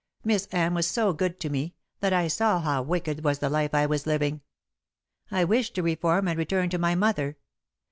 Miss Anne was so good to me that I saw how wicked was the life I was living. I wished to reform and return to my mother.